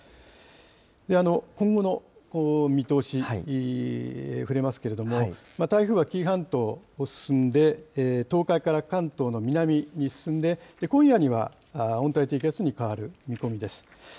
今後の見通し、ふれますけれども、台風は紀伊半島を進んで、東海から関東の南に進んで、今夜には温帯低気圧に変わる見込みです。